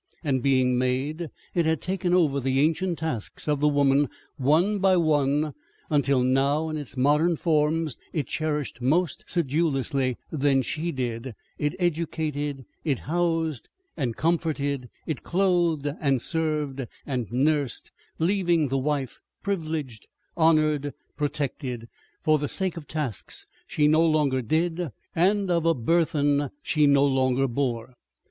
And being made, it had taken over the ancient tasks of the woman, one by one, until now in its modern forms it cherished more sedulously than she did, it educated, it housed and comforted, it clothed and served and nursed, leaving the wife privileged, honoured, protected, for the sake of tasks she no longer did and of a burthen she no longer bore.